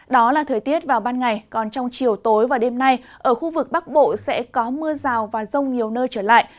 đó là thời tiết vào ban ngày còn trong chiều tối và đêm nay ở khu vực bắc bộ sẽ có mưa rào và rông nhiều nơi trở lại